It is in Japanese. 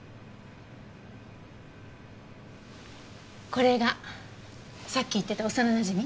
これがさっき言ってた幼なじみ？